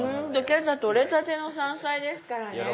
今朝採れたての山菜ですからね。